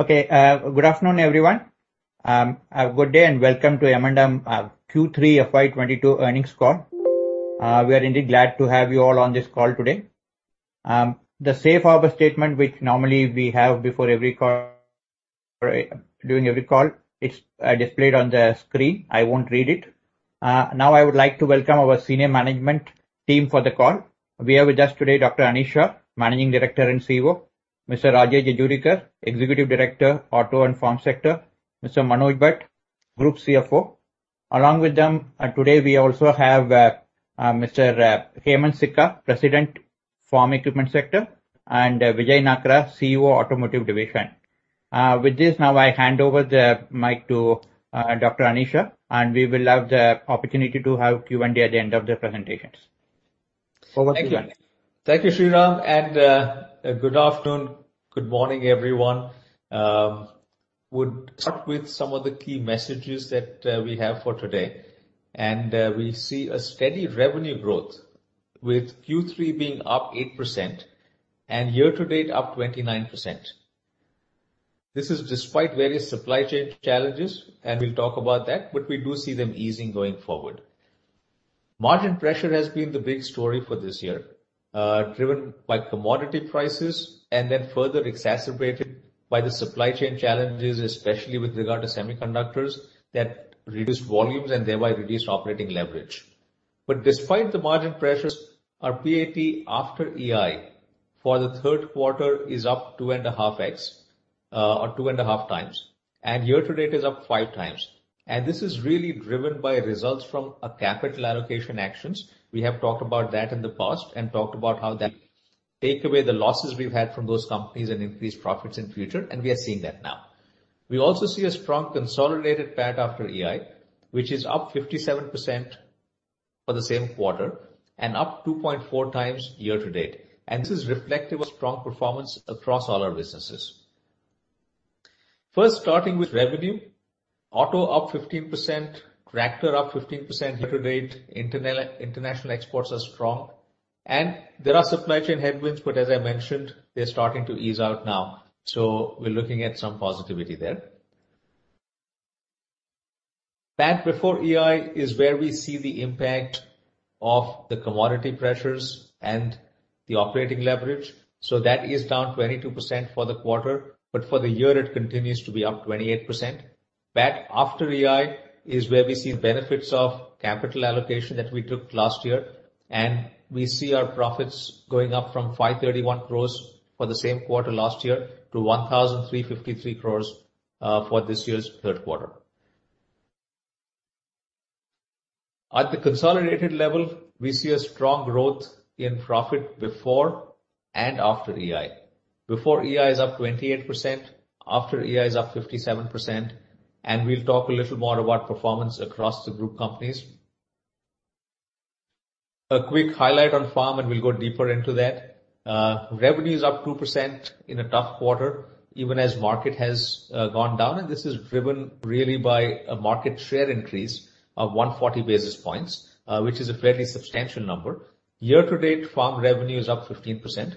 Okay. Good afternoon, everyone. Good day and welcome to M&M Q3 FY 2022 earnings call. We are indeed glad to have you all on this call today. The safe harbor statement, which normally we have before every call. During every call it is displayed on the screen. I won't read it. Now I would like to welcome our senior management team for the call. We have with us today Dr. Anish Shah, Managing Director and CEO. Mr. Rajesh Jejurikar, Executive Director, Auto and Farm Sector. Mr. Manoj Bhat, Group CFO. Along with them, today we also have Mr. Hemant Sikka, President, Farm Equipment Sector. Vijay Nakra, CEO, Automotive Division. With this, now I hand over the mic to Dr. Anish Shah, and we will have the opportunity to have Q&A at the end of the presentations. Over to you. Thank you. Thank you, Sriram. Good afternoon, good morning, everyone. I would start with some of the key messages that we have for today. We see a steady revenue growth with Q3 being up 8% and year to date up 29%. This is despite various supply chain challenges, and we'll talk about that, but we do see them easing going forward. Margin pressure has been the big story for this year, driven by commodity prices and then further exacerbated by the supply chain challenges, especially with regard to semiconductors that reduced volumes and thereby reduced operating leverage. Despite the margin pressures, our PAT after EI for the third quarter is up 2.5x, or 2.5x, and year to date is up 5x. This is really driven by results from our capital allocation actions. We have talked about that in the past and talked about how that take away the losses we've had from those companies and increase profits in future, and we are seeing that now. We also see a strong consolidated PAT after EI, which is up 57% for the same quarter and up 2.5x year to date. This is reflective of strong performance across all our businesses. First, starting with revenue. Auto up 15%, tractor up 15% year to date. International exports are strong. There are supply chain headwinds, but as I mentioned, they're starting to ease out now. We're looking at some positivity there. PAT before EI is where we see the impact of the commodity pressures and the operating leverage. That is down 22% for the quarter, but for the year it continues to be up 28%. PAT after EI is where we see the benefits of capital allocation that we took last year, and we see our profits going up from 531 crore for the same quarter last year to 1,353 crore for this year's third quarter. At the consolidated level, we see a strong growth in profit before and after EI. Before EI is up 28%, after EI is up 57%. We'll talk a little more about performance across the group companies. A quick highlight on farm, and we'll go deeper into that. Revenue is up 2% in a tough quarter even as market has gone down. This is driven really by a market share increase of 140 basis points, which is a fairly substantial number. Year to date farm revenue is up 15%.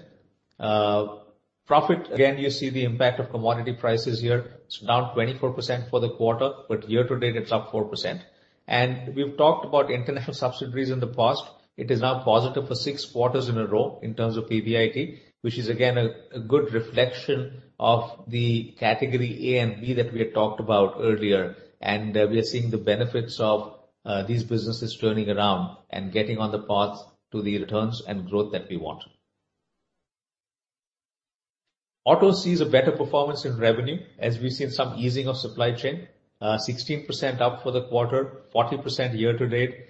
Profit, again, you see the impact of commodity prices here. It's down 24% for the quarter, but year to date it's up 4%. We've talked about international subsidiaries in the past. It is now positive for six quarters in a row in terms of PBIT, which is again a good reflection of the category A and B that we had talked about earlier. We are seeing the benefits of these businesses turning around and getting on the path to the returns and growth that we want. Auto sees a better performance in revenue as we've seen some easing of supply chain. 16% up for the quarter, 40% year to date.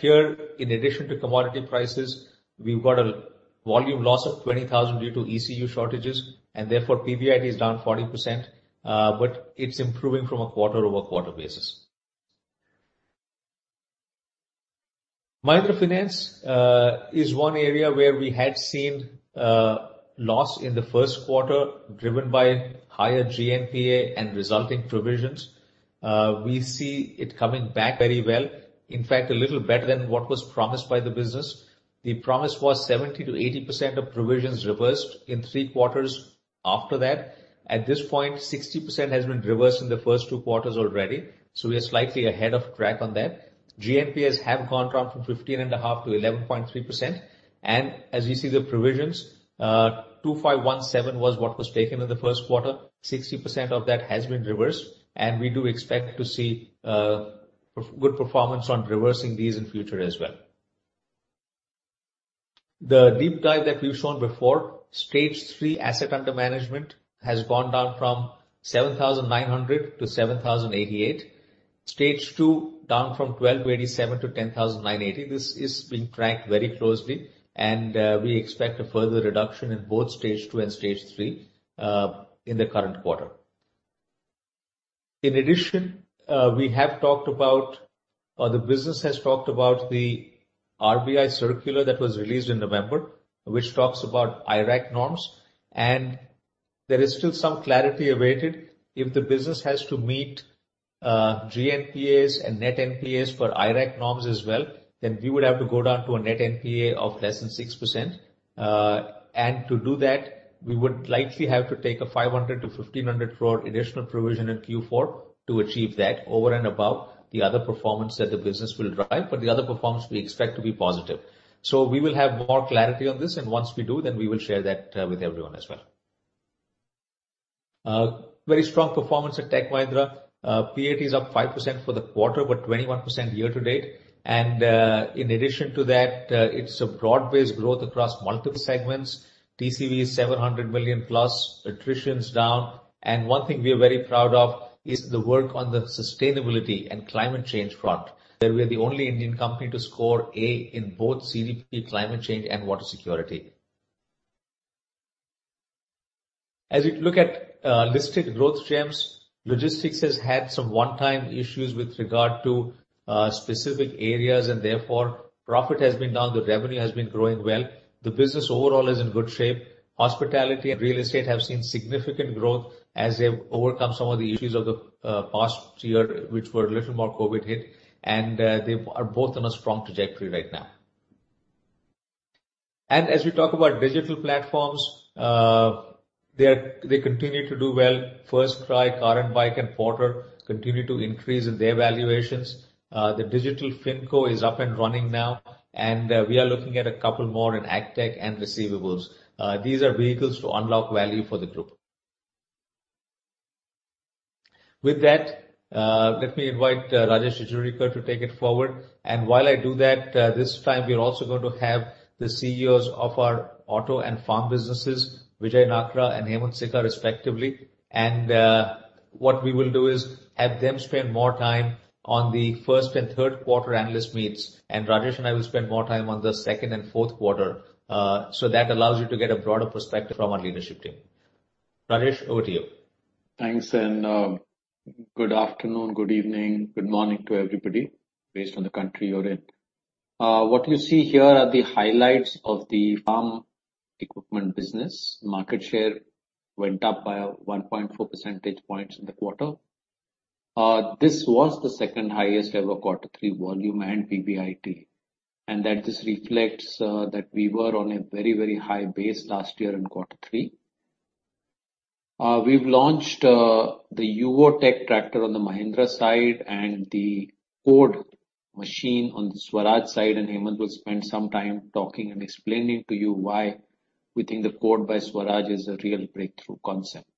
Here in addition to commodity prices, we've got a volume loss of 20,000 due to ECU shortages and therefore PBIT is down 40%, but it's improving from a QoQ basis. Microfinance is one area where we had seen loss in the Q1 driven by higher GNPA and resulting provisions. We see it coming back very well. In fact, a little better than what was promised by the business. The promise was 70%-80% of provisions reversed in three quarters after that. At this point, 60% has been reversed in the first two quarters already, so we are slightly ahead of track on that. GNPA have gone down from 15.5% to 11.3%. As you see the provisions, 2,517 was what was taken in the Q1. 60% of that has been reversed, and we do expect to see good performance on reversing these in future as well. The deep dive that we've shown before, stage 3 assets under management has gone down from 7,900 to 7,088. Stage 2 down from 12,087 to 10,980. This is being tracked very closely, and we expect a further reduction in both Stage 2 and Stage 3 in the current quarter. In addition, we have talked about The business has talked about the RBI circular that was released in November, which talks about IRAC norms, and there is still some clarity awaited if the business has to meet GNPA and net NPAs for IRAC norms as well, then we would have to go down to a net NPA of less than 6%. To do that, we would likely have to take 500 crore-1,500 crore additional provision in Q4 to achieve that over and above the other performance that the business will drive, but the other performance we expect to be positive. We will have more clarity on this, and once we do, we will share that with everyone as well. Very strong performance at Tech Mahindra. PAT is up 5% for the quarter, but 21% year-to-date. In addition to that, it's a broad-based growth across multiple segments. TCV is 700 million+. Attrition's down. One thing we are very proud of is the work on the sustainability and climate change front, that we are the only Indian company to score A in both CDP Climate Change and Water Security. As you look at listed growth gems, logistics has had some one-time issues with regard to specific areas, and therefore, profit has been down, but revenue has been growing well. The business overall is in good shape. Hospitality and real estate have seen significant growth as they've overcome some of the issues of the past year, which were a little more COVID hit, and they are both on a strong trajectory right now. As we talk about digital platforms, they continue to do well. FirstCry, car&bike, and Porter continue to increase in their valuations. The Digital FinCo is up and running now, and we are looking at a couple more in AgTech and receivables. These are vehicles to unlock value for the group. With that, let me invite Rajesh Jejurikar to take it forward. While I do that, this time we are also going to have the CEOs of our auto and farm businesses, Vijay Nakra and Hemant Sikka respectively. What we will do is have them spend more time on the Q1 and Q3 analyst meets, and Rajesh and I will spend more time on the second and fourth quarter. That allows you to get a broader perspective from our leadership team. Rajesh, over to you. Thanks, good afternoon, good evening, good morning to everybody, based on the country you're in. What you see here are the highlights of the farm equipment business. Market share went up by 1.4 percentage points in the quarter. This was the second-highest-ever quarter three volume and PBIT, and that just reflects that we were on a very, very high base last year in quarter three. We've launched the Yuvo Tech+ tractor on the Mahindra side and the CODE machine on the Swaraj side, and Hemant will spend some time talking and explaining to you why we think the CODE by Swaraj is a real breakthrough concept.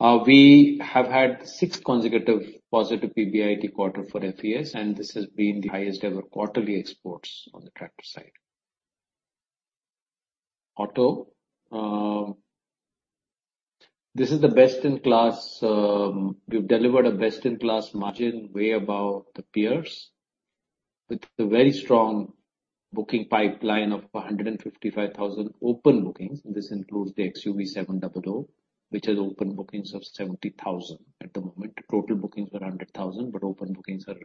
We have had six consecutive positive PBIT quarters for FES, and this has been the highest-ever quarterly exports on the tractor side. Auto, this is the best in class. We've delivered a best-in-class margin way above the peers with a very strong booking pipeline of 155,000 open bookings. This includes the XUV700, which has open bookings of 70,000 at the moment. Total bookings were 100,000, but open bookings are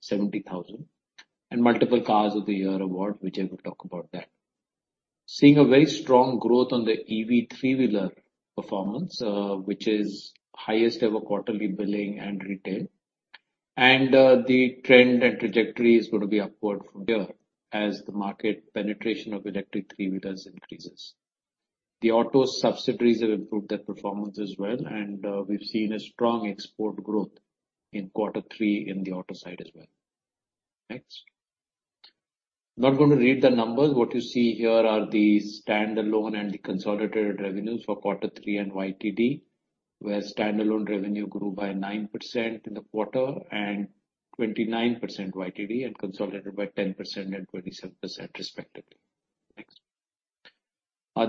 70,000. Multiple Cars of the Year award, Vijay will talk about that. Seeing a very strong growth on the EV three-wheeler performance, which is highest-ever quarterly billing and retail. The trend and trajectory is gonna be upward from there as the market penetration of electric three-wheelers increases. The auto subsidiaries have improved their performance as well, and we've seen a strong export growth in quarter three in the auto side as well. Next. Not gonna read the numbers. What you see here are the standalone and the consolidated revenues for quarter three and YTD, where standalone revenue grew by 9% in the quarter and 29% YTD, and consolidated by 10% and 27% respectively. Next.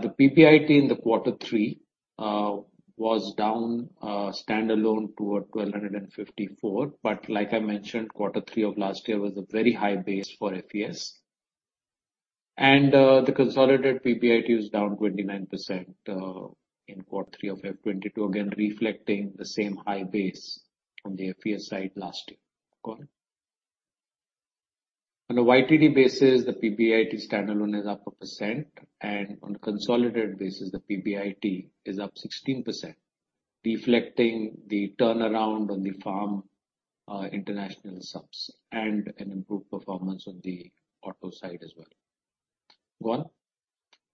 The PBIT in quarter three was down standalone to 1,254, but like I mentioned, quarter three of last year was a very high base for FES. The consolidated PBIT is down 29% in quarter three of FY 2022, again reflecting the same high base on the FES side last year. Go on. On a YTD basis, the PBIT standalone is up 1%, and on a consolidated basis, the PBIT is up 16%, reflecting the turnaround on the farm international subs and an improved performance on the auto side as well. Go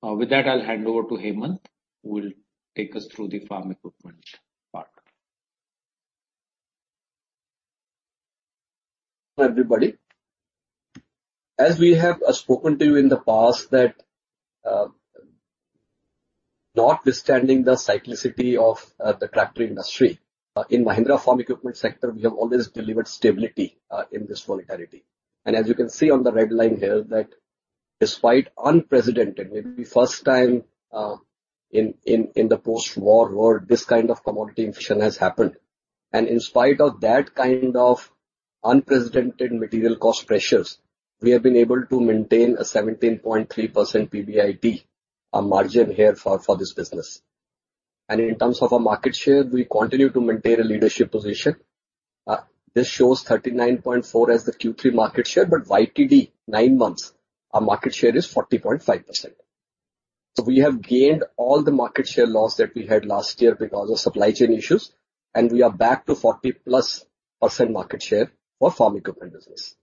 on. With that, I'll hand over to Hemant, who will take us through the farm equipment part. Everybody, as we have spoken to you in the past that, notwithstanding the cyclicity of the tractor industry, in Mahindra Farm Equipment Sector, we have always delivered stability in this volatility. As you can see on the red line here that despite unprecedented, maybe first time, in the post-war world, this kind of commodity inflation has happened. In spite of that kind of unprecedented material cost pressures, we have been able to maintain a 17.3% PBIT, our margin here for this business. In terms of our market share, we continue to maintain a leadership position. This shows 39.4 as the Q3 market share, but YTD, nine months, our market share is 40.5%. We have gained all the market share loss that we had last year because of supply chain issues, and we are back to 40%+ market share for farm equipment business.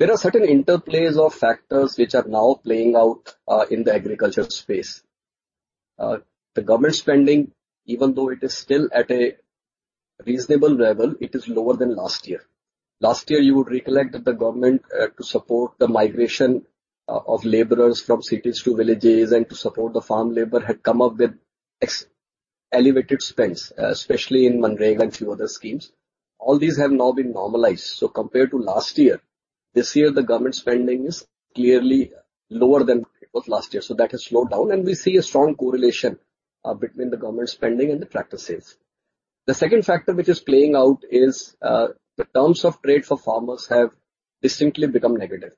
There are certain interplays of factors which are now playing out in the agriculture space. The government spending, even though it is still at a reasonable level, it is lower than last year. Last year, you would recollect that the government to support the migration of laborers from cities to villages and to support the farm labor, had come up with elevated spends, especially in MNREGA and a few other schemes. All these have now been normalized. Compared to last year, this year the government spending is clearly lower than it was last year. That has slowed down. We see a strong correlation between the government spending and the tractor sales. The second factor which is playing out is the terms of trade for farmers have distinctly become negative.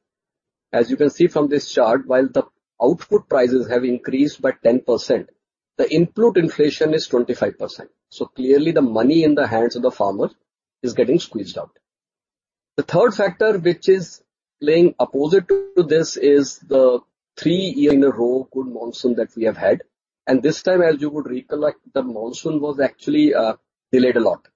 As you can see from this chart, while the output prices have increased by 10%, the input inflation is 25%. Clearly the money in the hands of the farmer is getting squeezed out. The third factor, which is playing opposite to this, is the three year in a row good monsoon that we have had. This time, as you would recollect, the monsoon was actually delayed a lot.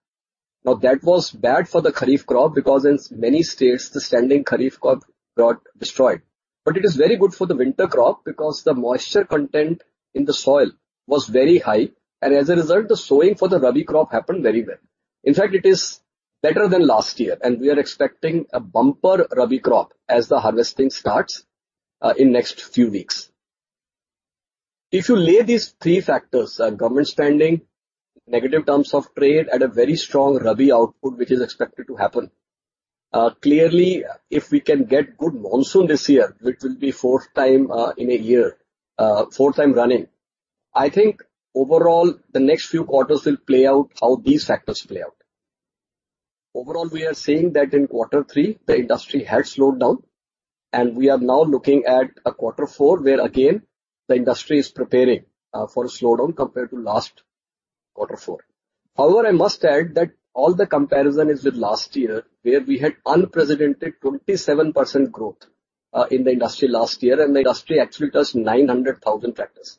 Now that was bad for the Kharif crop because in many states, the standing Kharif crop got destroyed. It is very good for the winter crop because the moisture content in the soil was very high and as a result, the sowing for the Rabi crop happened very well. In fact, it is better than last year and we are expecting a bumper Rabi crop as the harvesting starts in next few weeks. If you lay these three factors, government spending, negative terms of trade at a very strong Rabi output which is expected to happen, clearly if we can get good monsoon this year, which will be fourth time in a year, fourth time running, I think overall the next few quarters will play out how these factors play out. Overall, we are seeing that in quarter three, the industry had slowed down and we are now looking at a quarter four where again the industry is preparing for a slowdown compared to last quarter four. However, I must add that all the comparison is with last year where we had unprecedented 27% growth in the industry last year and the industry actually touched 900,000 tractors.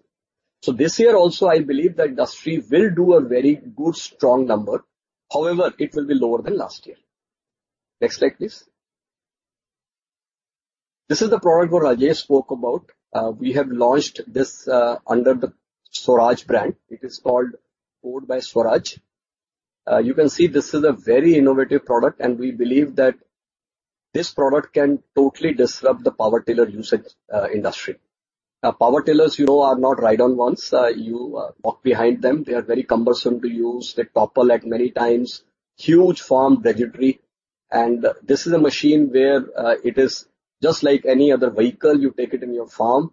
This year also, I believe the industry will do a very good strong number. However, it will be lower than last year. Next slide, please. This is the product what Rajesh spoke about. We have launched this under the Swaraj brand. It is called CODE by Swaraj. You can see this is a very innovative product, and we believe that this product can totally disrupt the power tiller usage industry. Now power tillers, you know, are not ride-on ones. You walk behind them. They are very cumbersome to use. They topple like many times. This is a machine where it is just like any other vehicle. You take it in your farm,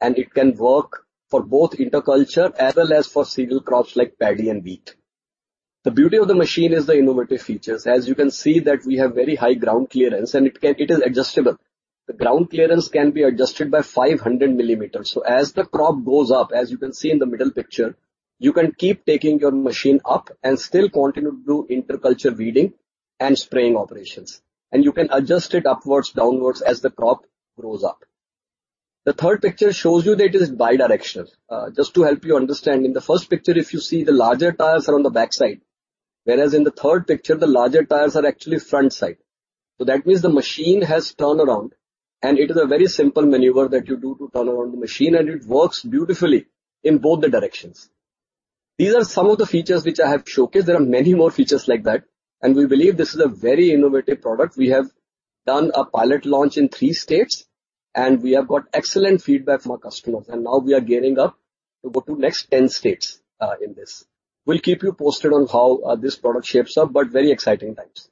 and it can work for both inter-culture as well as for single crops like paddy and wheat. The beauty of the machine is the innovative features. As you can see that we have very high ground clearance and it is adjustable. The ground clearance can be adjusted by 500mm. As the crop goes up, as you can see in the middle picture, you can keep taking your machine up and still continue to do inter-culture weeding and spraying operations. You can adjust it upwards, downwards as the crop grows up. The third picture shows you that it is bi-directional. Just to help you understand. In the first picture if you see the larger tires are on the backside, whereas in the third picture the larger tires are actually front side. That means the machine has turned around and it is a very simple maneuver that you do to turn around the machine, and it works beautifully in both the directions. These are some of the features which I have showcased. There are many more features like that, and we believe this is a very innovative product. We have done a pilot launch in three states, and we have got excellent feedback from our customers and now we are gearing up to go to next 10 states in this. We'll keep you posted on how this product shapes up, but very exciting times.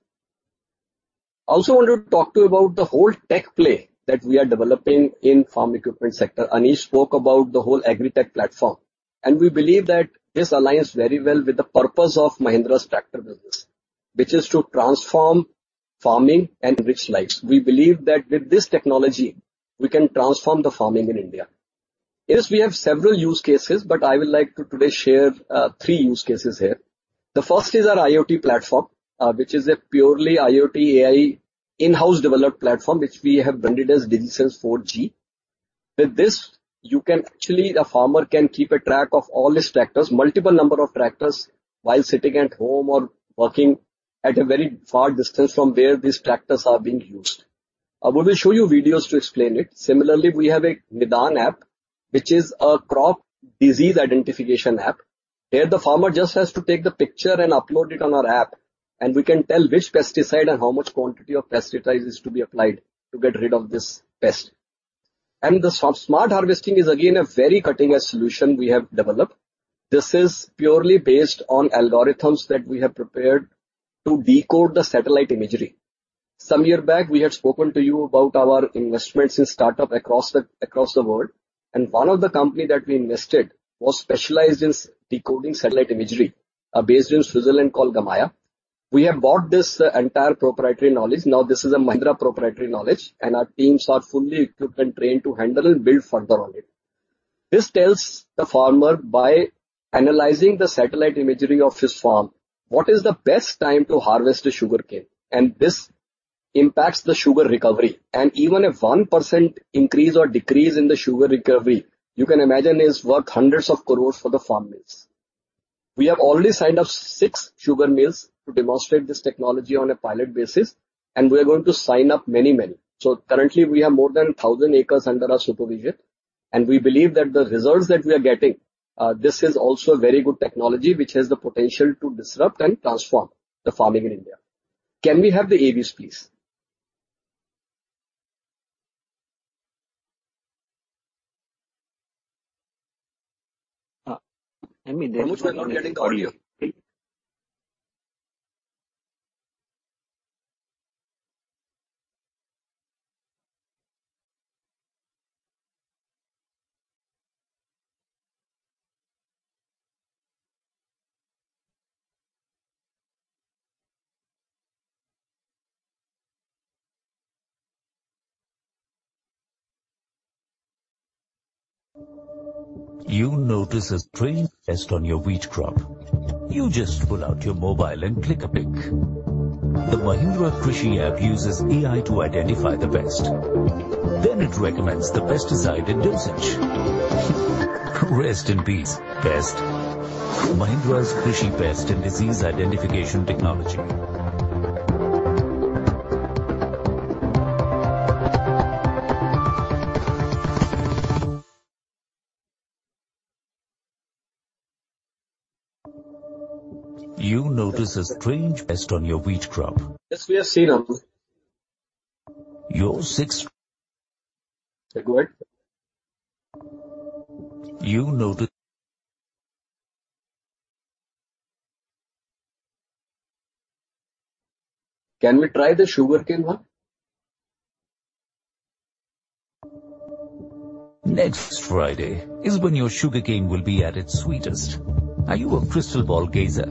I also wanted to talk to you about the whole tech play that we are developing in Farm Equipment Sector. Anish spoke about the whole AgriTech platform, and we believe that this aligns very well with the purpose of Mahindra's tractor business, which is to transform farming and enrich lives. We believe that with this technology we can transform the farming in India. Yes, we have several use cases, but I would like to today share three use cases here. The first is our IoT platform, which is a purely IoT AI in-house developed platform which we have branded as DigiSense 4G. With this, the farmer can keep a track of all his tractors, multiple number of tractors, while sitting at home or working at a very far distance from where these tractors are being used. I'm going to show you videos to explain it. Similarly, we have a Nidaan app, which is a crop disease identification app. There, the farmer just has to take the picture and upload it on our app, and we can tell which pesticide and how much quantity of pesticides is to be applied to get rid of this pest. The smart harvesting is again a very cutting-edge solution we have developed. This is purely based on algorithms that we have prepared to decode the satellite imagery. Some year back, we had spoken to you about our investments in start-up across the world, and one of the company that we invested was specialized in decoding satellite imagery, based in Switzerland called Gamaya. We have bought this entire proprietary knowledge. Now this is a Mahindra proprietary knowledge, and our teams are fully equipped and trained to handle and build further on it. This tells the farmer by analyzing the satellite imagery of his farm, what is the best time to harvest his sugarcane, and this impacts the sugar recovery. Even a 1% increase or decrease in the sugar recovery, you can imagine is worth INR hundreds of crores for the farm mills. We have already signed up six sugar mills to demonstrate this technology on a pilot basis, and we are going to sign up many, many. Currently, we have more than 1,000 acres under our supervision, and we believe that the results that we are getting, this is also a very good technology which has the potential to disrupt and transform the farming in India. Can we have the AVs, please? I mean, there is Yes, we have seen them. Your six- Go ahead. You notice- Can we try the sugarcane one? Next Friday is when your sugarcane will be at its sweetest. Are you a crystal ball gazer?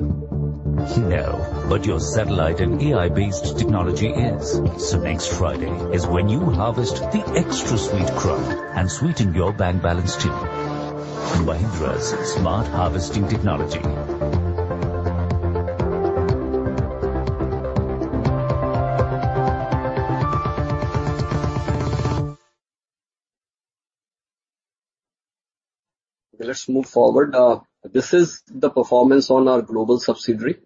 No, but your satellite and AI-based technology is. Next Friday is when you harvest the extra sweet crop and sweeten your bank balance too. Mahindra's smart harvesting technology. Let's move forward. This is the performance on our global subsidiary.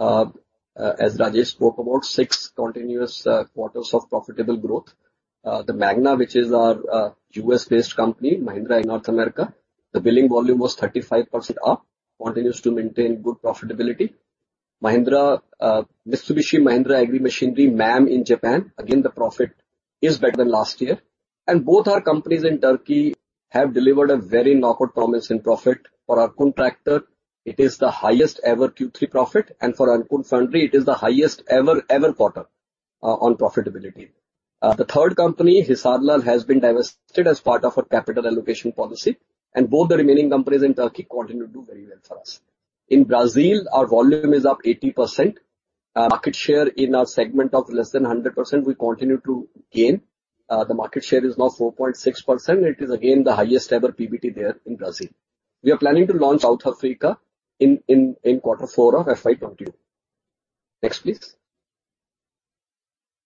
As Rajesh spoke about, six continuous quarters of profitable growth. The MANA, which is our U.S.-based company, Mahindra in North America, the billing volume was 35% up, continues to maintain good profitability. Mitsubishi Mahindra Agricultural Machinery, MAM, in Japan, again, the profit is better than last year. Both our companies in Turkey have delivered a very strong performance in profit. For Erkunt Tractor, it is the highest ever Q3 profit, and for Erkunt Foundry, it is the highest ever quarter on profitability. The third company, Hisarlar, has been divested as part of our capital allocation policy, and both the remaining companies in Turkey continue to do very well for us. In Brazil, our volume is up 80%. Our market share in our segment of less than 100%, we continue to gain. The market share is now 4.6%. It is again the highest ever PBT there in Brazil. We are planning to launch in South Africa in quarter four of FY 2022. Next, please.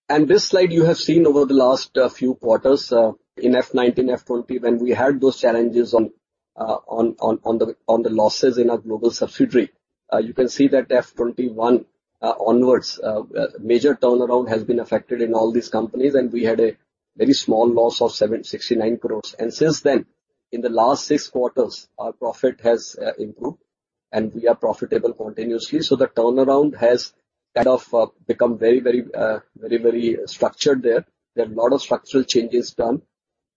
This slide you have seen over the last few quarters in FY 2019, FY 2020, when we had those challenges on the losses in our global subsidiary. You can see that FY 2021 onwards, a major turnaround has been affected in all these companies, and we had a very small loss of 76 crore. Since then, in the last six quarters, our profit has improved and we are profitable continuously. The turnaround has kind of become very structured there. There are a lot of structural changes done,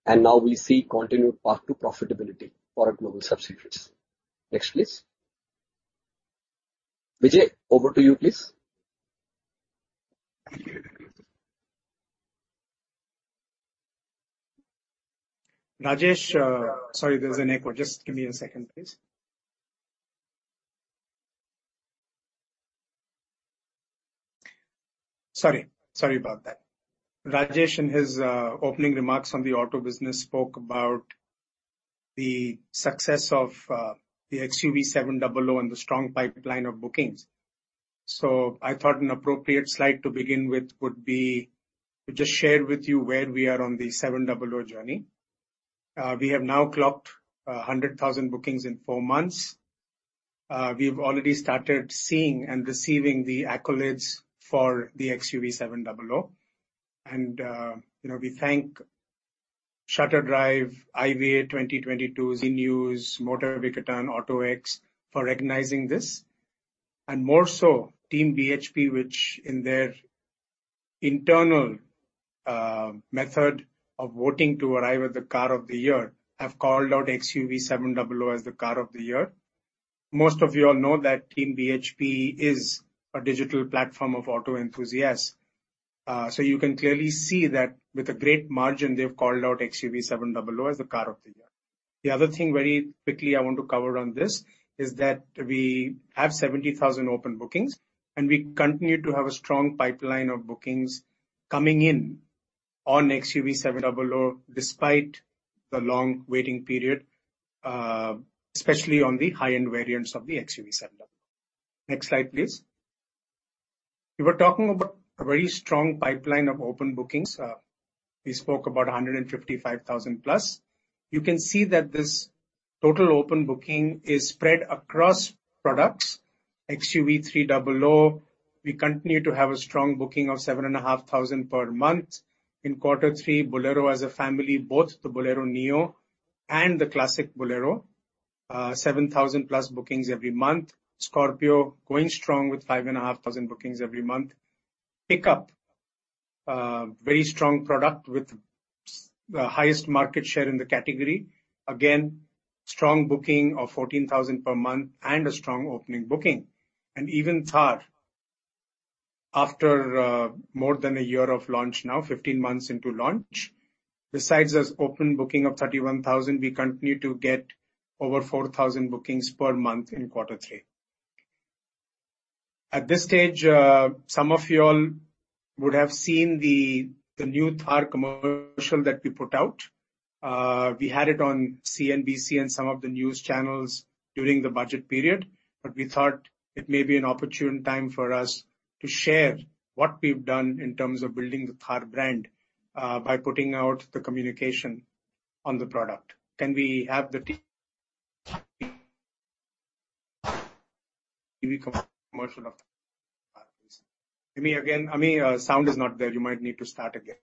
and now we see continued path to profitability for our global subsidiaries. Next, please. Vijay, over to you, please. Thank you. Rajesh, sorry, there's an echo. Just give me a second, please. Sorry about that. Rajesh, in his opening remarks on the auto business, spoke about the success of the XUV700 and the strong pipeline of bookings. I thought an appropriate slide to begin with would be to just share with you where we are on the 700 journey. We have now clocked 100,000 bookings in four months. We've already started seeing and receiving the accolades for the XUV700. You know, we thank Overdrive, ICOTY 2022, ZigWheels, Motor Vikatan, autoX for recognizing this. More so, Team-BHP, which in their internal method of voting to arrive at the car of the year, have called out XUV700 as the car of the year. Most of you all know that Team-BHP is a digital platform of auto enthusiasts. You can clearly see that with a great margin, they've called out XUV700 as the car of the year. The other thing, very quickly I want to cover on this is that we have 70,000 open bookings, and we continue to have a strong pipeline of bookings coming in on XUV700 despite the long waiting period, especially on the high-end variants of the XUV700. Next slide, please. We were talking about a very strong pipeline of open bookings. We spoke about 155,000+. You can see that this total open booking is spread across products. XUV300, we continue to have a strong booking of 7,500 per month. In quarter three, Bolero as a family, both the Bolero Neo and the classic Bolero, 7,000+ bookings every month. Scorpio going strong with 5,500 bookings every month. Pickup, a very strong product with the highest market share in the category. Again, strong booking of 14,000 per month and a strong opening booking. Even Thar, after more than a year of launch now, 15 months into launch, besides this open booking of 31,000, we continue to get over 4,000 bookings per month in quarter three. At this stage, some of you all would have seen the new Thar commercial that we put out. We had it on CNBC and some of the news channels during the budget period, but we thought it may be an opportune time for us to share what we've done in terms of building the Thar brand by putting out the communication on the product. Can we have the TV commercial of Thar, please? Ami, again. Ami, sound is not there. You might need to start again.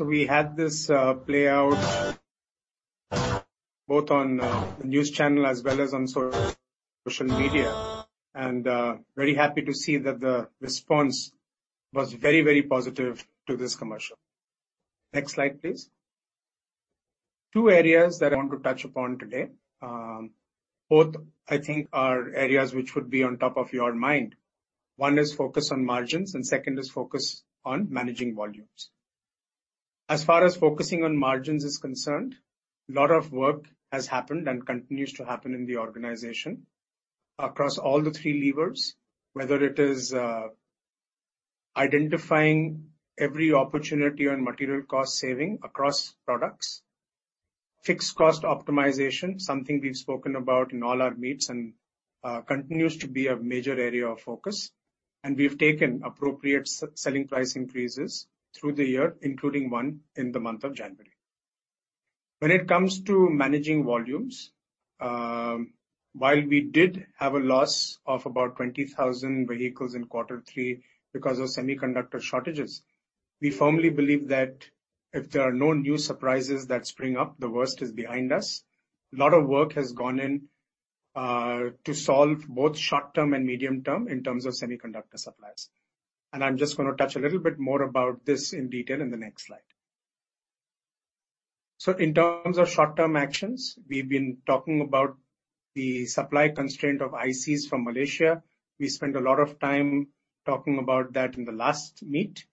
We had this play out both on the news channel as well as on social media, and very happy to see that the response was very, very positive to this commercial. Next slide, please. Two areas that I want to touch upon today. Both I think are areas which would be on top of your mind. One is focus on margins, and second is focus on managing volumes. As far as focusing on margins is concerned, a lot of work has happened and continues to happen in the organization across all the three levers, whether it is identifying every opportunity on material cost saving across products, fixed cost optimization, something we've spoken about in all our meets and continues to be a major area of focus, and we've taken appropriate selling price increases through the year, including one in the month of January. When it comes to managing volumes, while we did have a loss of about 20,000 vehicles in quarter three because of semiconductor shortages, we firmly believe that if there are no new surprises that spring up, the worst is behind us. A lot of work has gone in to solve both short-term and medium-term in terms of semiconductor supplies. I'm just gonna touch a little bit more about this in detail in the next slide. In terms of short-term actions, we've been talking about the supply constraint of ICs from Malaysia. We spent a lot of time talking about that in the last meet.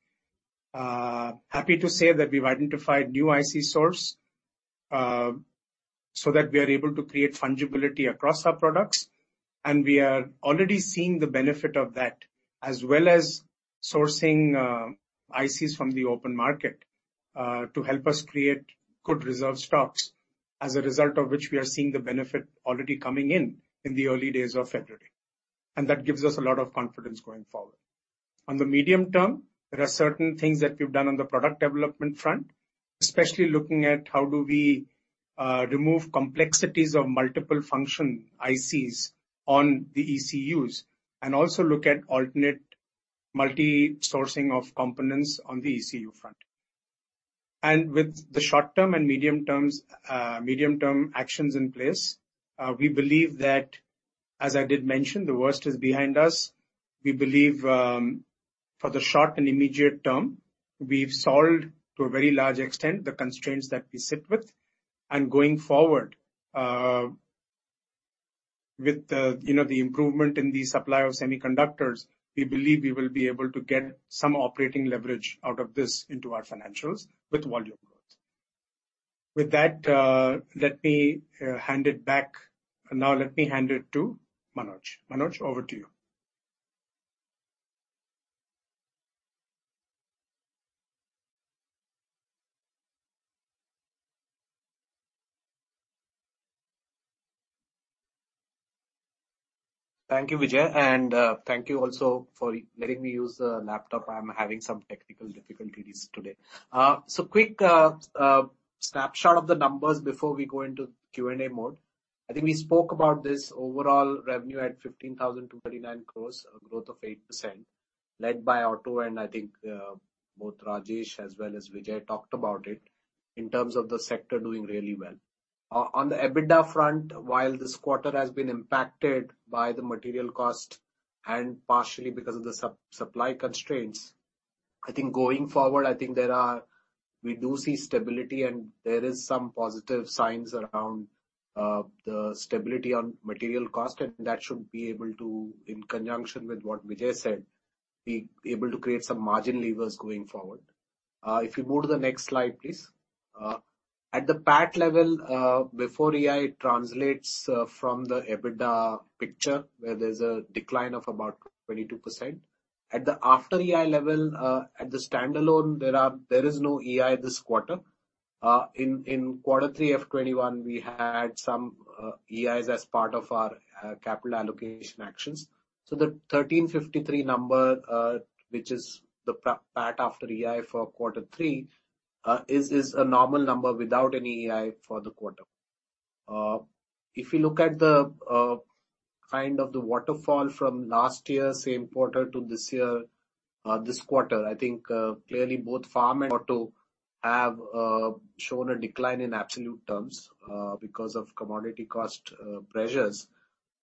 Happy to say that we've identified new IC source, so that we are able to create fungibility across our products, and we are already seeing the benefit of that, as well as sourcing ICs from the open market, to help us create good reserve stocks, as a result of which we are seeing the benefit already coming in in the early days of February. That gives us a lot of confidence going forward. On the medium-term, there are certain things that we've done on the product development front, especially looking at how do we remove complexities of multiple function ICs on the ECUs, and also look at alternate multi-sourcing of components on the ECU front. With the short-term and medium-term actions in place, we believe that, as I did mention, the worst is behind us. We believe, for the short and immediate term, we've solved to a very large extent the constraints that we sit with. Going forward, with the, you know, the improvement in the supply of semiconductors, we believe we will be able to get some operating leverage out of this into our financials with volume growth. With that, let me hand it back. Now let me hand it to Manoj. Manoj, over to you. Thank you, Vijay. Thank you also for letting me use the laptop. I'm having some technical difficulties today. Quick snapshot of the numbers before we go into Q&A mode. I think we spoke about this overall revenue at 15,239 crores, a growth of 8% led by auto. I think both Rajesh as well as Vijay talked about it in terms of the sector doing really well. On the EBITDA front, while this quarter has been impacted by the material cost and partially because of the supply constraints, I think going forward, I think there are. We do see stability and there is some positive signs around the stability on material cost, and that should be able to, in conjunction with what Vijay said, be able to create some margin levers going forward. If you go to the next slide, please. At the PAT level, before EI translates from the EBITDA picture, where there's a decline of about 22%. At the after EI level, at the standalone, there is no EI this quarter. In quarter three of 2021, we had some EIs as part of our capital allocation actions. The 1,353 number, which is the PAT after EI for quarter three, is a normal number without any EI for the quarter. If you look at the kind of the waterfall from last year, same quarter to this year, this quarter, I think clearly both farm and auto have shown a decline in absolute terms because of commodity cost pressures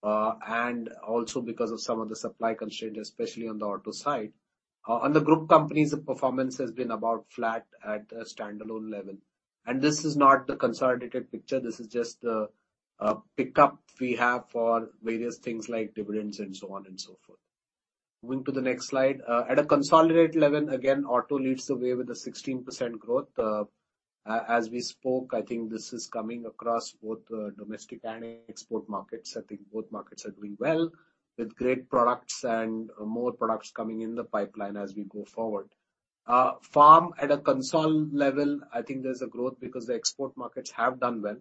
and also because of some of the supply constraints, especially on the auto side. On the group companies, the performance has been about flat at a standalone level. This is not the consolidated picture. This is just the pickup we have for various things like dividends and so on and so forth. Moving to the next slide. At a consolidated level, again, auto leads the way with a 16% growth. As we spoke, I think this is coming across both the domestic and export markets. I think both markets are doing well with great products and more products coming in the pipeline as we go forward. Farm at a consolidated level, I think there's a growth because the export markets have done well,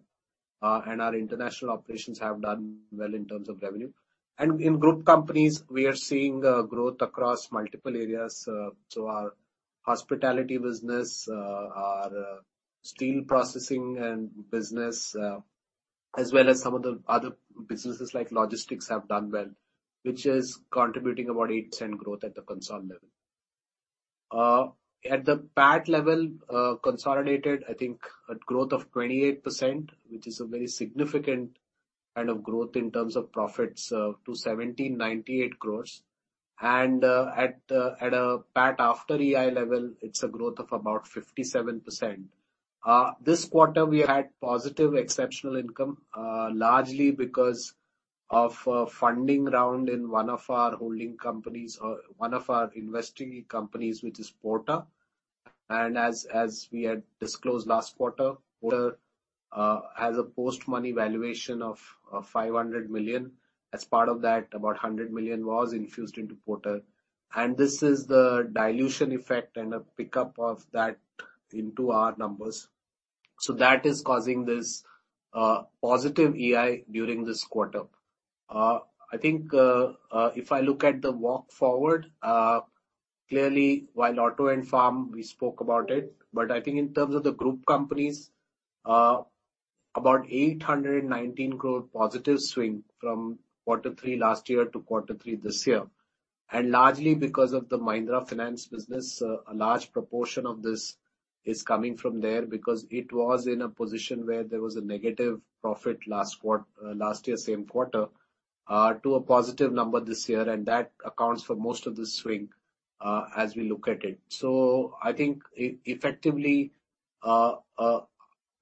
and our international operations have done well in terms of revenue. In group companies, we are seeing growth across multiple areas. Our hospitality business, our steel processing and business, as well as some of the other businesses like logistics have done well, which is contributing about 8% growth at the consolidated level. At the PAT level, consolidated, I think a growth of 28%, which is a very significant kind of growth in terms of profits, to 1,798 crore. At a PAT after EI level, it's a growth of about 57%. This quarter, we had positive exceptional income, largely because of a funding round in one of our holding companies or one of our investing companies, which is Porter. As we had disclosed last quarter, at a post-money valuation of $500 million. As part of that, about $100 million was infused into Porter. This is the dilution effect and a pickup of that into our numbers. That is causing this positive EI during this quarter. I think if I look at the walk forward, clearly while Auto and Farm, we spoke about it, but I think in terms of the group companies, about 819 crore positive swing from quarter three last year to quarter three this year. Largely because of the Mahindra Finance business, a large proportion of this is coming from there because it was in a position where there was a negative profit last year, same quarter, to a positive number this year. That accounts for most of the swing as we look at it. I think effectively the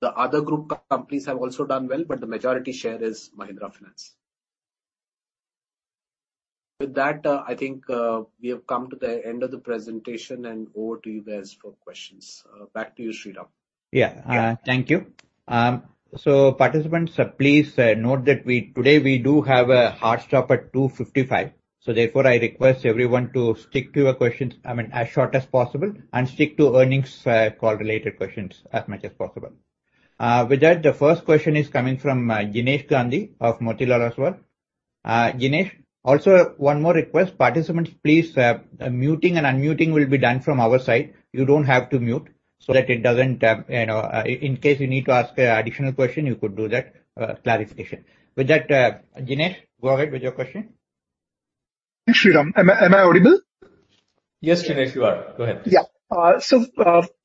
other group companies have also done well, but the majority share is Mahindra Finance. With that, I think we have come to the end of the presentation and over to you guys for questions. Back to you, Sriram. Thank you. Participants, please note that today we do have a hard stop at 2:55 P.M. Therefore, I request everyone to stick to your questions, I mean, as short as possible, and stick to earnings call related questions as much as possible. With that, the first question is coming from Jinesh Gandhi of Motilal Oswal. Jinesh. Also one more request. Participants, please, muting and unmuting will be done from our side. You don't have to mute so that it doesn't, you know, in case you need to ask an additional question, you could do that, clarification. With that, Jinesh, go ahead with your question. Thanks, Sriram. Am I audible? Yes, Jinesh, you are. Go ahead. Yeah.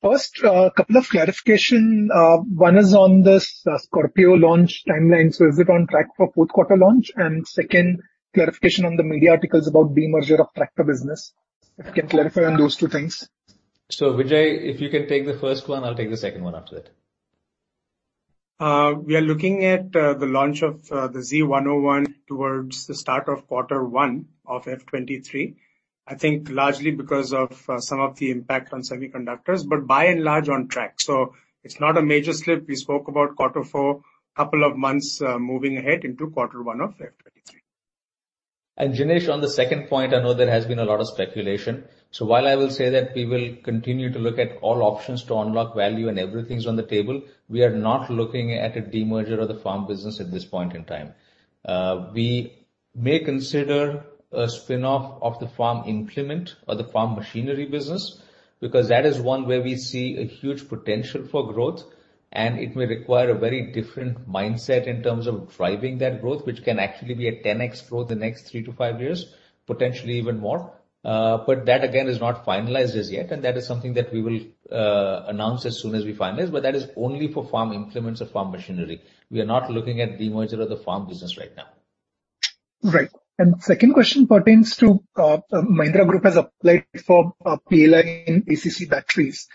First, couple of clarification. One is on this Scorpio launch timeline. Is it on track for fourth quarter launch? Second clarification on the media articles about demerger of tractor business. If you can clarify on those two things. Vijay, if you can take the first one, I'll take the second one after that. We are looking at the launch of the Z101 towards the start of Q1 FY 2023. I think largely because of some of the impact on semiconductors, but by and large on track. It's not a major slip. We spoke about Q4, couple of months moving ahead into Q1 FY 2023. Jinesh, on the second point, I know there has been a lot of speculation. While I will say that we will continue to look at all options to unlock value and everything's on the table, we are not looking at a demerger of the farm business at this point in time. We may consider a spin-off of the farm implement or the farm machinery business, because that is one where we see a huge potential for growth, and it may require a very different mindset in terms of driving that growth, which can actually be a 10x growth the next three to five years, potentially even more. That again is not finalized as yet, and that is something that we will announce as soon as we finalize. That is only for farm implements or farm machinery. We are not looking at demerger of the farm business right now. Right. Second question pertains to the Mahindra group has applied for a play in ACC batteries.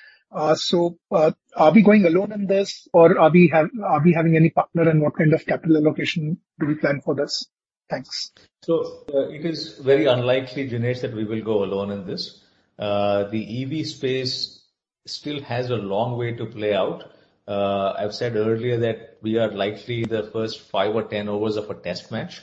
So, are we going alone in this or are we having any partner? What kind of capital allocation do we plan for this? Thanks. It is very unlikely, Jinesh, that we will go alone in this. The EV space still has a long way to play out. I've said earlier that we are likely the first five or 10 overs of a test match.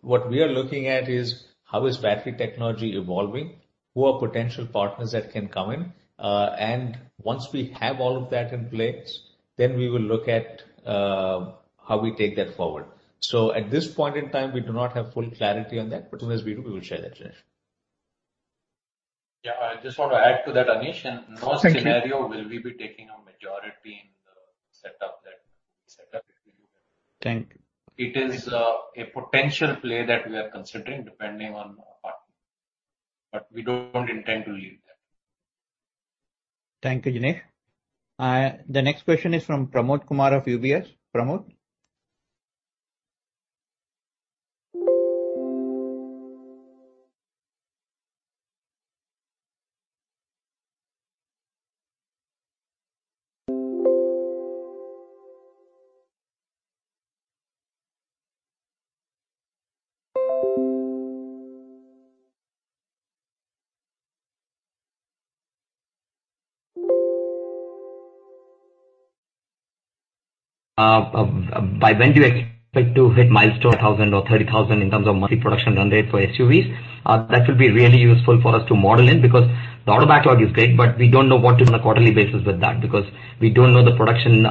What we are looking at is how battery technology is evolving, who are potential partners that can come in. Once we have all of that in place, then we will look at how we take that forward. At this point in time, we do not have full clarity on that, but soon as we do, we will share that, Jinesh. Yeah, I just want to add to that, Anish. Thank you. no scenario will we be taking a majority in the setup. Thank you. It is a potential play that we are considering depending on our partner, but we don't intend to lead that. Thank you, Jinesh. The next question is from Pramod Kumar of UBS. Pramod? By when do you expect to hit milestone 1,000 or 30,000 in terms of monthly production run rate for SUVs? That will be really useful for us to model in, because the order backlog is great, but we don't know what is on a quarterly basis with that because we don't know the production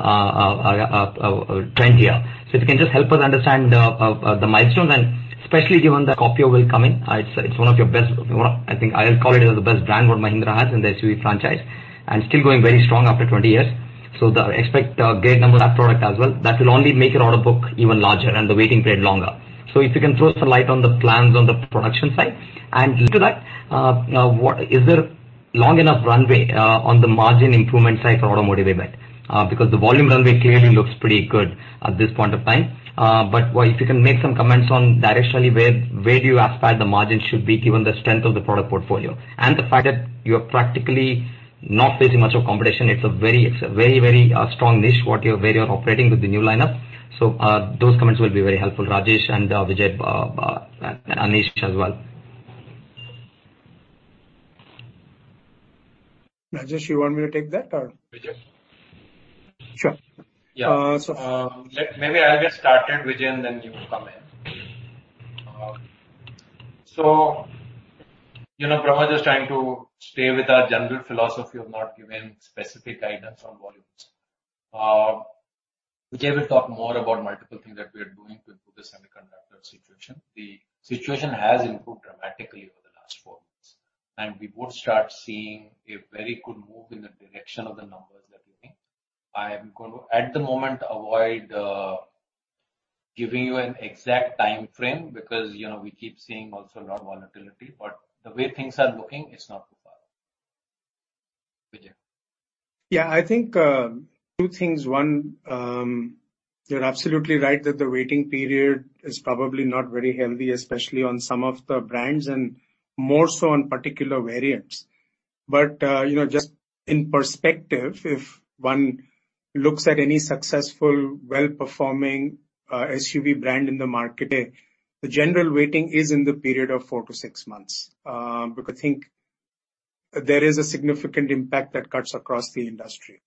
trend here. If you can just help us understand the milestones and especially given the Scorpio will come in, it's one of your best, one of, I think I'll call it the best brand what Mahindra has in the SUV franchise and still going very strong after 20 years. Expect a great number of that product as well. That will only make your order book even larger and the waiting period longer. If you can throw some light on the plans on the production side. Linked to that, is there long enough runway on the margin improvement side for automotive segment? Because the volume runway clearly looks pretty good at this point of time. But if you can make some comments directionally, where do you aspire the margin should be given the strength of the product portfolio and the fact that you are practically not facing much of competition. It's a very strong niche where you're operating with the new lineup. Those comments will be very helpful, Rajesh and Vijay, Anish as well. Rajesh, you want me to take that or- Vijay. Sure. Yeah. Uh, so- Maybe I'll get started, Vijay, and then you come in. So, you know, Pramod is trying to stay with our general philosophy of not giving specific guidance on volumes. Vijay will talk more about multiple things that we are doing to improve the semiconductor situation. The situation has improved dramatically over the last four months, and we would start seeing a very good move in the direction of the numbers that you think. I am going to, at the moment, avoid giving you an exact timeframe because, you know, we keep seeing also a lot of volatility, but the way things are looking, it's not too far. Vijay. Yeah, I think two things. One, you're absolutely right that the waiting period is probably not very healthy, especially on some of the brands and more so on particular variants. You know, just in perspective, if one looks at any successful, well-performing SUV brand in the market, the general waiting is in the period of four to six months. Because I think there is a significant impact that cuts across the industry.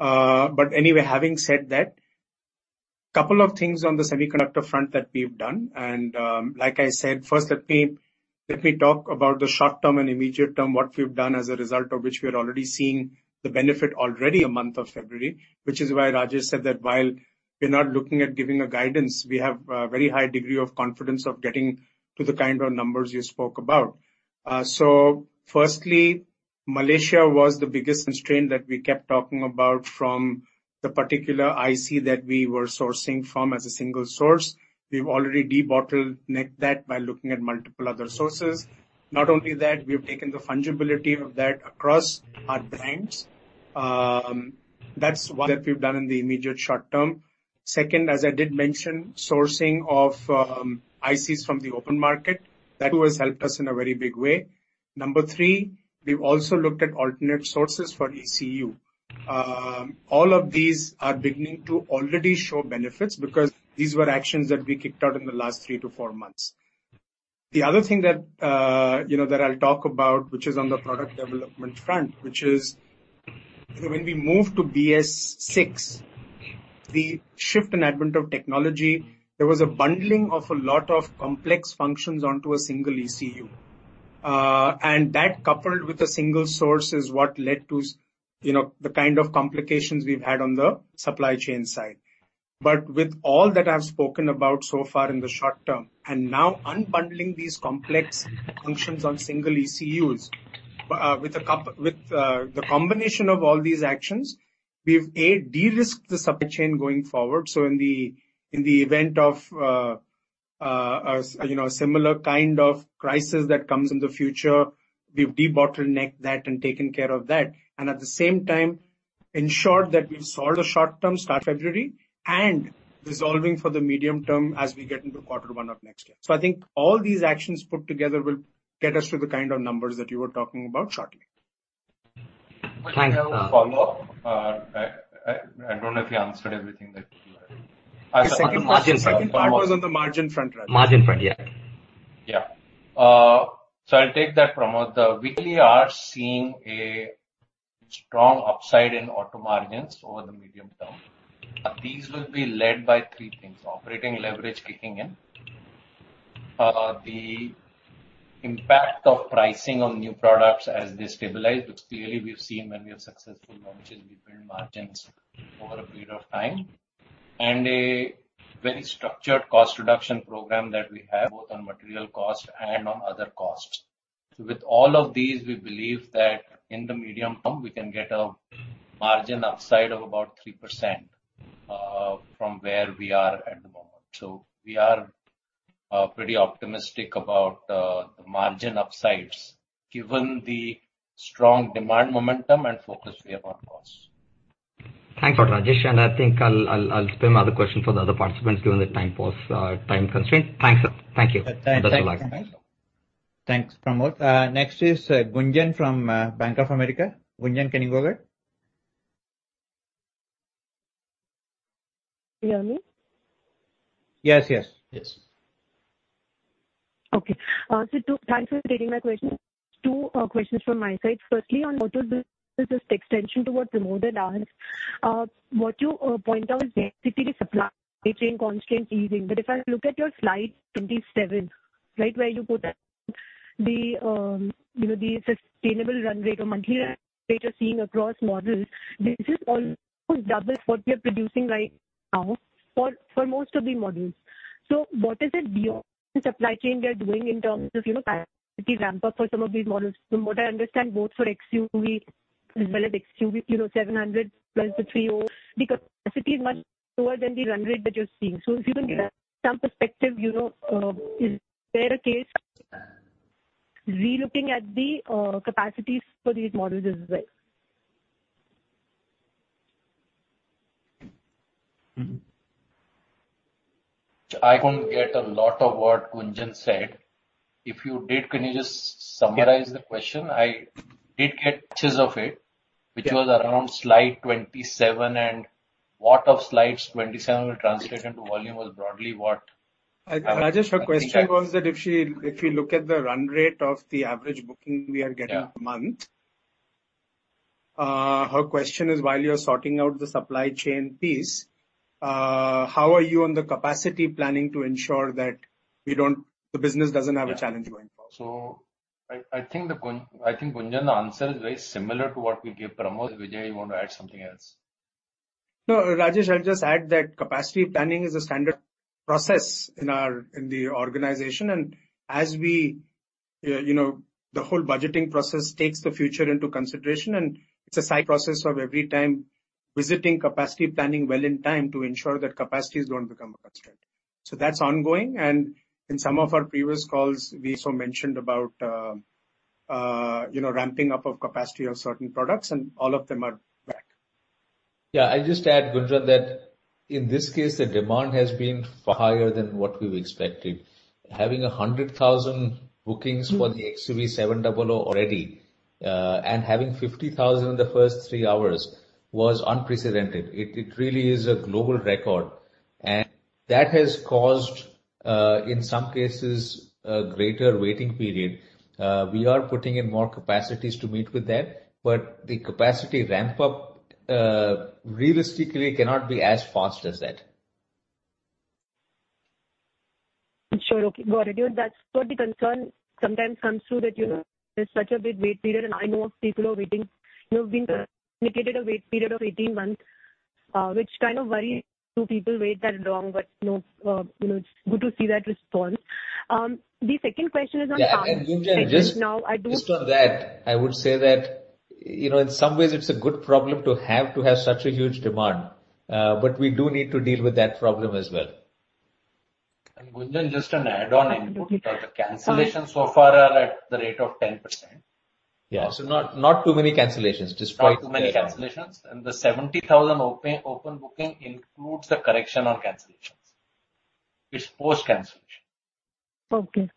Anyway, having said that, couple of things on the semiconductor front that we've done. Like I said, first, let me talk about the short-term and immediate term, what we've done as a result of which we are already seeing the benefit already a month of February, which is why Rajesh said that while we're not looking at giving a guidance, we have a very high degree of confidence of getting to the kind of numbers you spoke about. Firstly, Malaysia was the biggest constraint that we kept talking about from the particular IC that we were sourcing from as a single source. We've already de-bottlenecked that by looking at multiple other sources. Not only that, we've taken the fungibility of that across our brands. That's what we've done in the immediate short term. Second, as I did mention, sourcing of ICs from the open market, that too has helped us in a very big way. Number three, we've also looked at alternate sources for ECU. All of these are beginning to already show benefits because these were actions that we kicked off in the last three to four months. The other thing that you know that I'll talk about, which is on the product development front, which is you know when we moved to BS6, the shift and advent of technology, there was a bundling of a lot of complex functions onto a single ECU. And that coupled with a single source is what led to you know the kind of complications we've had on the supply chain side. With all that I've spoken about so far in the short term, and now unbundling these complex functions on single ECUs, with the combination of all these actions, we've de-risked the supply chain going forward. In the event of you know a similar kind of crisis that comes in the future, we've de-bottlenecked that and taken care of that, and at the same time ensured that we've solved the short term start February and resolving for the medium term as we get into quarter one of next year. I think all these actions put together will get us to the kind of numbers that you were talking about shortly. Thanks. Follow up. I don't know if you answered everything that you had. Second part was on the margin front rather. Margin front, yeah. Yeah. I'll take that, Pramod. We really are seeing a strong upside in auto margins over the medium term. These will be led by three things. Operating leverage kicking in, the impact of pricing on new products as they stabilize, which clearly we've seen when we have successful launches, we build margins over a period of time, and a very structured cost reduction program that we have both on material cost and on other costs. With all of these, we believe that in the medium term, we can get a margin upside of about 3%, from where we are at the moment. We are pretty optimistic about the margin upsides given the strong demand momentum and focus we have on costs. Thanks for that, Rajesh, and I think I'll spare another question for the other participants given the time constraint. Thanks. Thank you. Thanks. Thanks, Pramod. Next is Gunjan from Bank of America. Gunjan, can you go ahead? Can you hear me? Yes, yes. Yes. Okay. Thanks for taking my question. Two questions from my side. Firstly, on auto business, just extension to what Pramod had asked. What you point out is basically supply chain constraints easing. If I look at your slide 27, right, where you put the, you know, the sustainable run rate or monthly run rate you're seeing across models, this is almost double what we are producing right now for most of the models. What is it beyond supply chain we are doing in terms of, you know, capacity ramp up for some of these models? From what I understand, both for XUV300 as well as XUV700, the capacity is much lower than the run rate that you're seeing. If you can give some perspective, you know, is there a case relooking at the capacities for these models as well? Mm-hmm. I couldn't get a lot of what Gunjan said. If you did, can you just summarize the question? I did get patches of it, which was around slide 27, and what of slide 27 will translate into volume was broadly what- Rajesh, her question was that if we look at the run rate of the average booking we are getting per month. Yeah. Her question is, while you're sorting out the supply chain piece, how are you on the capacity planning to ensure that the business doesn't have a challenge going forward? I think, Gunjan, the answer is very similar to what we gave Pramod. Vijay, you want to add something else? No, Rajesh, I'll just add that capacity planning is a standard process in the organization. As we, you know, the whole budgeting process takes the future into consideration, and it's a side process of every time visiting capacity planning well in time to ensure that capacities don't become a constraint. So that's ongoing. In some of our previous calls, we also mentioned about, you know, ramping up of capacity of certain products, and all of them are back. Yeah. I'll just add, Gunjan, that in this case, the demand has been far higher than what we were expecting. Having 100,000 bookings for the XUV700 already and having 50,000 in the first three hours was unprecedented. It really is a global record, and that has caused, in some cases, a greater waiting period. We are putting in more capacities to meet with that, but the capacity ramp up, realistically cannot be as fast as that. Sure. Okay, got it. That's what the concern sometimes comes through that, you know, there's such a big wait period and I know people are waiting. You know, been indicated a wait period of 18 months, which kind of why do people wait that long, but no, you know, it's good to see that response. The second question is on- Yeah. Gunjan, just on that, I would say that, you know, in some ways it's a good problem to have such a huge demand, but we do need to deal with that problem as well. Gunjan, just an add on input. The cancellations so far are at the rate of 10%. Yeah. Not too many cancellations despite. Not too many cancellations. The 70,000 open booking includes the correction on cancellations. It's post-cancellation. Okay.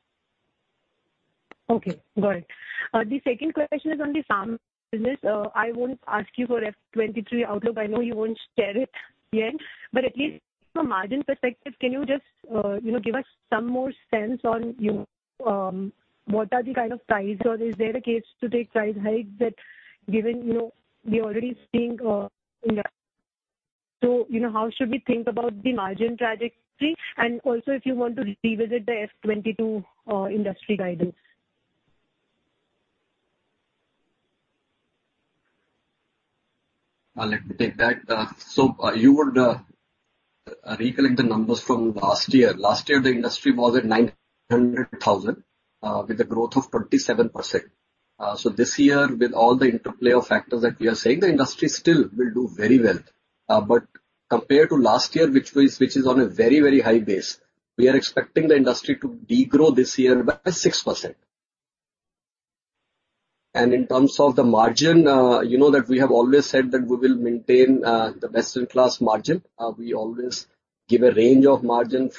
Okay, got it. The second question is on the farm business. I won't ask you for FY 2023 outlook. I know you won't share it yet. At least from a margin perspective, can you just, you know, give us some more sense on, you know, what are the kind of price or is there a case to take price hikes that given, you know, we are already seeing. You know, how should we think about the margin trajectory and also if you want to revisit the FY 2022 industry guidance. I'll let you take that. So, you want to recollect the numbers from last year. Last year, the industry was at 900,000 with a growth of 37%. So, this year, with all the interplay of factors that we are saying, the industry still will do very well. But compared to last year, which is on a very, very high base, we are expecting the industry to degrow this year by 6%. In terms of the margin, you know that we have always said that we will maintain the best-in-class margin. We always give a range of margin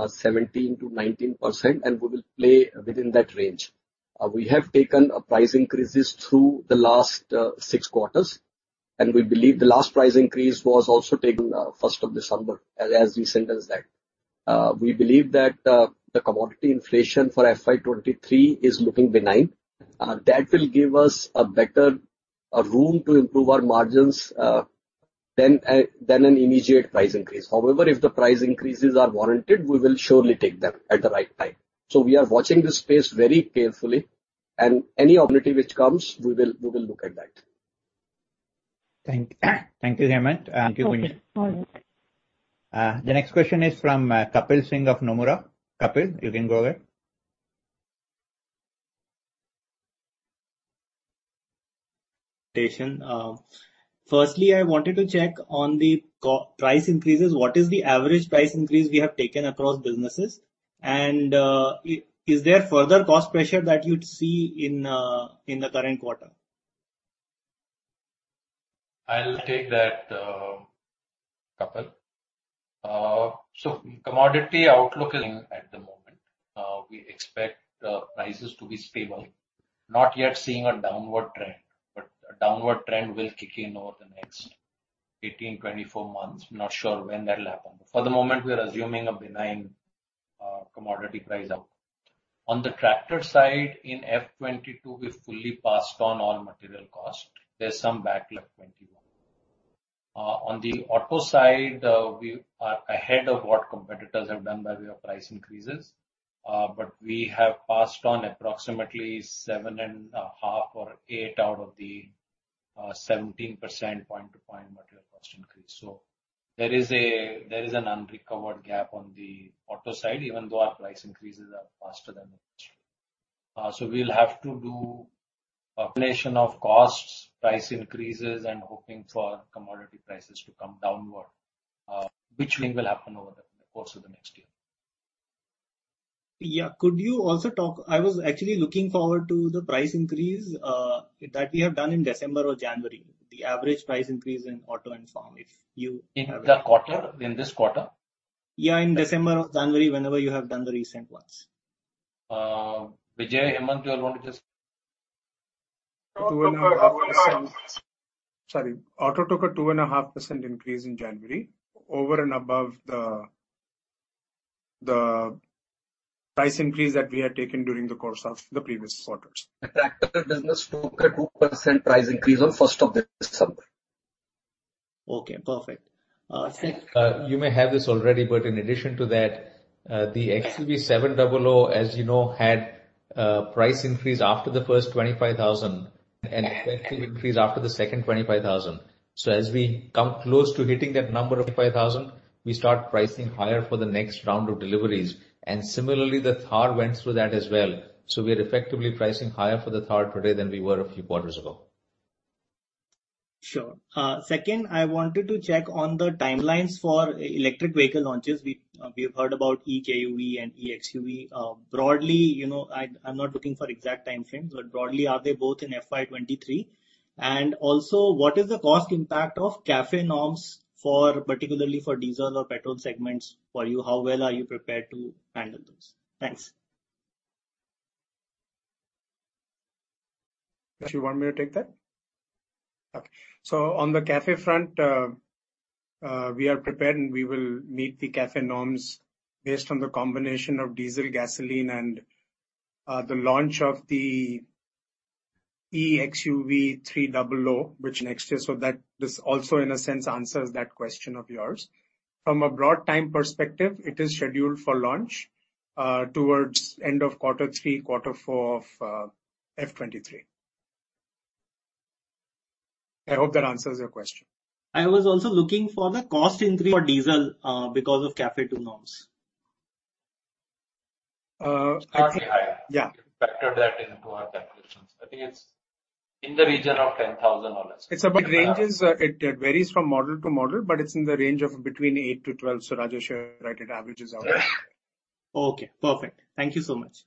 from 17%-19%, and we will play within that range. We have taken price increases through the last six quarters, and we believe the last price increase was also taken December 1, as we said. We believe that the commodity inflation for FY 2023 is looking benign. That will give us a better room to improve our margins than an immediate price increase. However, if the price increases are warranted, we will surely take them at the right time. We are watching this space very carefully and any opportunity which comes, we will look at that. Thank you, Hemant. Thank you, Gunjan. Okay, all right. The next question is from Kapil Singh of Nomura. Kapil, you can go ahead. Firstly, I wanted to check on the cost-price increases. What is the average price increase we have taken across businesses? Is there further cost pressure that you'd see in the current quarter? I'll take that, Kapil. Commodity outlook is in at the moment. We expect prices to be stable. Not yet seeing a downward trend, but a downward trend will kick in over the next 18-24 months. Not sure when that'll happen. At the moment we are assuming a benign commodity price outlook. On the tractor side, in FY 2022, we fully passed on all material cost. There's some backlog, 2021. On the auto side, we are ahead of what competitors have done by way of price increases. We have passed on approximately 7.5% or 8% out of the 17% point-to-point material cost increase. There is an unrecovered gap on the auto side, even though our price increases are faster than industry. We'll have to do a combination of costs, price increases, and hoping for commodity prices to come downward, which we think will happen over the course of the next year. Yeah. I was actually looking forward to the price increase that we have done in December or January, the average price increase in Auto and Farm, if you have it. In the quarter? In this quarter? Yeah, in December or January, whenever you have done the recent ones. Vijay, Hemant, do you want to just? 2.5%. Sorry. Auto took a 2.5% increase in January over and above the price increase that we had taken during the course of the previous quarters. The tractor business took a 2% price increase on the first of December. Okay, perfect. You may have this already, but in addition to that, the XUV700, as you know, had price increase after the first 25,000 and effective increase after the second 25,000. As we come close to hitting that number of 5,000, we start pricing higher for the next round of deliveries. Similarly, the Thar went through that as well. We are effectively pricing higher for the Thar today than we were a few quarters ago. Sure. Second, I wanted to check on the timelines for electric vehicle launches. We've heard about eKUV100 and eXUV. Broadly, you know, I'm not looking for exact time frames, but broadly, are they both in FY 2023? Also, what is the cost impact of CAFE norms for, particularly for diesel or petrol segments for you? How well are you prepared to handle those? Thanks. If you want me to take that. Okay. On the CAFE front, we are prepared, and we will meet the CAFE norms based on the combination of diesel, gasoline and the launch of the eXUV300 which next year, so that this also in a sense answers that question of yours. From a broad time perspective, it is scheduled for launch towards end of quarter three, quarter four of FY 2023. I hope that answers your question. I was also looking for the cost increase for diesel because of CAFE 2 norms. I think. Yeah. We factored that into our calculations. I think it's in the region of $10,000. It's about ranges, it varies from model to model, but it's in the range of between 8% to 12%. Rajesh is right, it averages out. Okay, perfect. Thank you so much.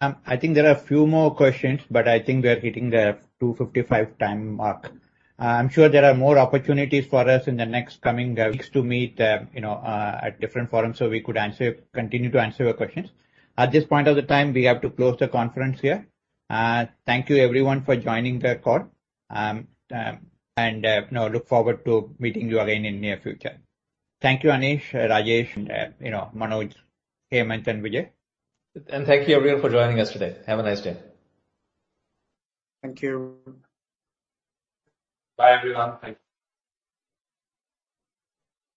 I think there are a few more questions, but I think we are hitting the 2:55 P.M. time mark. I'm sure there are more opportunities for us in the next coming weeks to meet, you know, at different forums, so we could answer, continue to answer your questions. At this point in time, we have to close the conference here. Thank you everyone for joining the call. You know, look forward to meeting you again in near future. Thank you, Anish, Rajesh, and you know, Manoj, Hemant and Vijay. Thank you everyone for joining us today. Have a nice day. Thank you. Bye, everyone. Thank you.